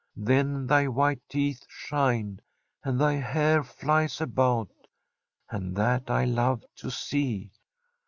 Then thy white teeth shine, and thy hair flies about, and that I love to see.